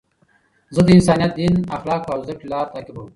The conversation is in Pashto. زه د انسانیت، دین، اخلاقو او زدهکړي لار تعقیبوم.